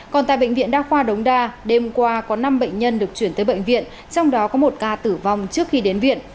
còn tại bệnh viện đa khoa đống đa đêm qua có năm bệnh nhân được chuyển tới bệnh viện trong đó có một ca tử vong trước khi đến viện